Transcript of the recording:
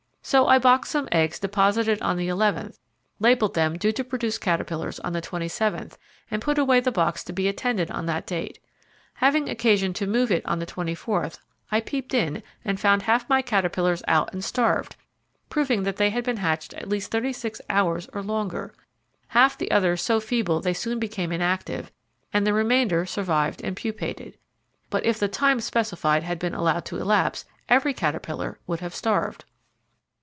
So I boxed some eggs deposited on the eleventh, labelled them due to produce caterpillars on the twenty seventh and put away the box to be attended on that date. Having occasion to move it on the twentyfourth, I peeped in and found half my caterpillars out and starved, proving that they had been hatched at least thirty six hours or longer; half the others so feeble they soon became inactive, and the remainder survived and pupated. But if the time specified had been allowed to elapse, every caterpillar would have starved.